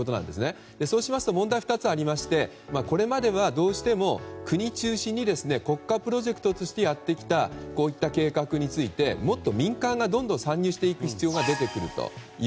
そうしますと問題は２つありましてこれまではどうしても国中心に国家プロジェクトとしてやってきた、こういう計画にもっと民間がどんどん参入してく必要があると。